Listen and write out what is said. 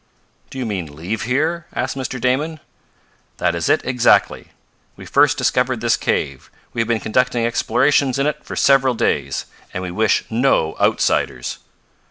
"Do you mean leave here?" asked Mr Damon. "That is it, exactly. We first discovered this cave. We have been conducting explorations in it for several days, and we wish no outsiders."